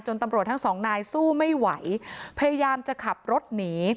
ตำรวจทั้งสองนายสู้ไม่ไหวพยายามจะขับรถหนี